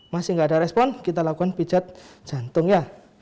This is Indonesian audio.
masih tidak ada respon kita lakukan pijat jantung ya